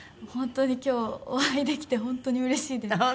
本当に今日お会いできて本当にうれしいです。